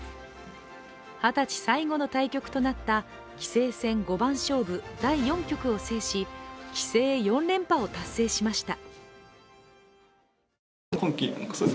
二十歳最後の対局となった棋聖戦五番勝負第４局を制し、棋聖４連覇を達成しました。